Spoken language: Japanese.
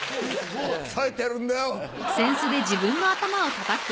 さえてるんだよ！